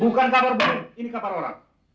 bukan kabar bohong ini kabar orang